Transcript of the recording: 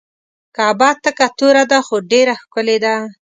کعبه تکه توره ده خو ډیره ښکلې ده.